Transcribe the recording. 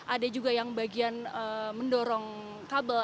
ada juga yang bagian mendorong kabel